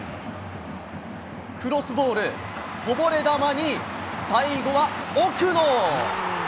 クロスボール、こぼれ球に、最後は奥野。